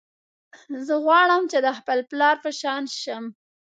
زه غواړم چې د خپل پلار په شان شم